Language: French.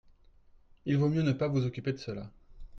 Il vaut mieux ne pas vous occuper de cela.